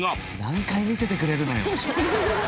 何回見せてくれるのよ。